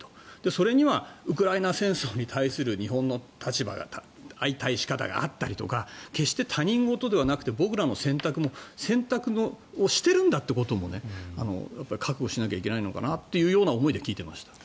それにはウクライナ戦争に対する日本の立場が相対し方があったりとか決して他人事ではなくて僕らの選択も選択をしてるんだということも覚悟しなきゃいけないのかなという思いで聞いていました。